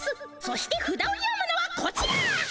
そしてふだを読むのはこちら！